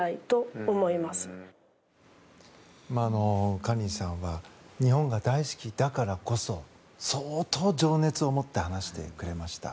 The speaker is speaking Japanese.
カリンさんは日本が大好きだからこそ相当、情熱を持って話してくれました。